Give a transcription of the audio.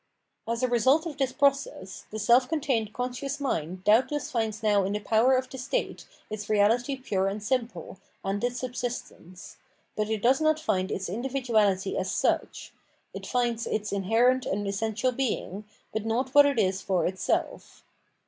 As a result of this process, the self contained con scious min d doubtless finds now in the Power of the State its reahty pure and simple, and its subsistence ; but it does not find its individuahty as such ; it finds its inherent and essential being, but not what it is for itself.